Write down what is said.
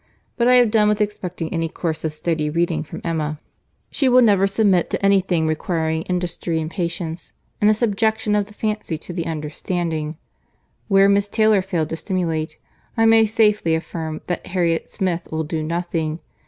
But I have done with expecting any course of steady reading from Emma. She will never submit to any thing requiring industry and patience, and a subjection of the fancy to the understanding. Where Miss Taylor failed to stimulate, I may safely affirm that Harriet Smith will do nothing.